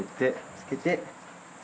つけて。